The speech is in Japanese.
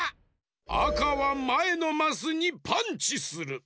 あかはまえのマスにパンチする！